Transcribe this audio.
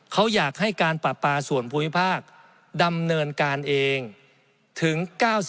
เขาอยากให้การปราปาส่วนภูมิภาคดำเนินการเองถึง๙๐